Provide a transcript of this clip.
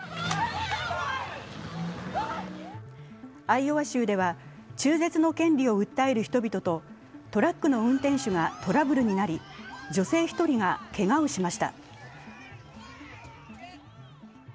アイオワ州では中絶の権利を訴える人々とトラックの運転手がトラブルになり、女性１人がけがをしました。